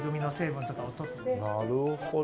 なるほど。